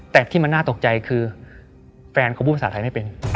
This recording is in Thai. แต่ที่มันน่าตกใจคือแฟนเขาพูดภาษาไทยไม่เป็น